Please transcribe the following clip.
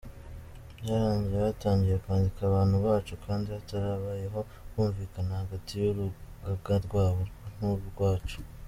Byarangiye batangiye kwandika abantu bacu kandi hatarabayeho kumvikana hagati y’urugaga rwabo n’urwacu.